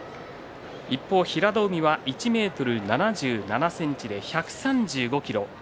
一方、平戸海は１ｍ７７ｃｍ１３５ｋｇです。